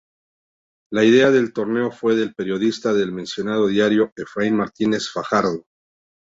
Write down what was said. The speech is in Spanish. La idea del torneo fue del periodista del mencionado diario, Efraín Martínez Fajardo.